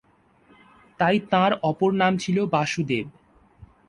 তাই তাঁর অপর নাম ছিল "বাসুদেব"।